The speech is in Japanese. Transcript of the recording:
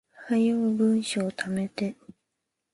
早う文章溜めて